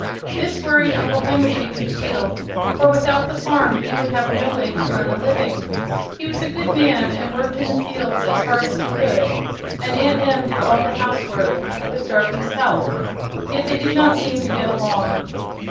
This worried Uncle Henry a good deal, for without the farm he would have no way to earn a living. He was a good man, and worked in the field as hard as he could; and Aunt Em did all the housework, with Dorothy's help. Yet they did not seem to get along.